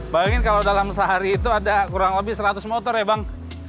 bayangin kalau dalam sehari itu ada kurang lebih seratus motor ya bang